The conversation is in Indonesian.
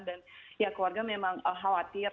dan ya keluarga memang khawatir